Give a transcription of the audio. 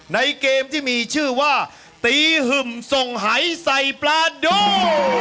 ในเกมที่มีชื่อว่าตีหึ่มส่งหายใส่ปลาโด